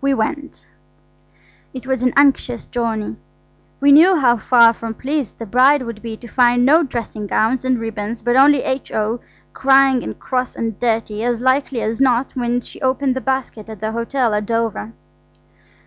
We went. It was an anxious journey. We knew how far from pleased the bride would be to find no dressing gowns and ribbons, but only H.O. crying and cross and dirty, as likely as not, when she opened the basket at the hotel at Dover.